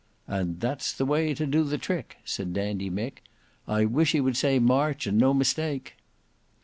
"And that's the way to do the trick," said Dandy Mick. "I wish he would say march, and no mistake."